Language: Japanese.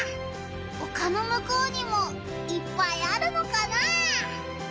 おかのむこうにもいっぱいあるのかな。